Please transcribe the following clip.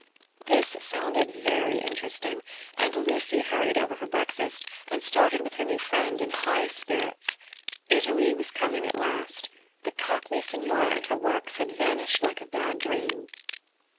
This sounded very interesting, and Lucy hurried over her breakfast, and started with her new friend in high spirits. Italy was coming at last. The Cockney Signora and her works had vanished like a bad dream.